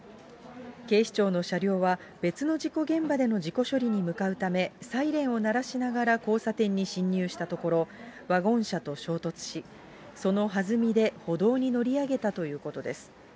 警視庁の車両は、別の事故現場での事故処理に向かうため、サイレンを鳴らしながら交差点に進入したところ、ワゴン車と衝突し、そのはずみで歩道に乗り上げたということです。